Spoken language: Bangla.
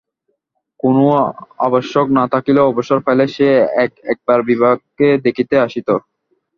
কোন আবশ্যক না থাকিলেও অবসর পাইলে সে এক একবার বিভাকে দেখিতে আসিত।